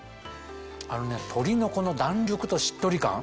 あのね鶏のこの弾力としっとり感。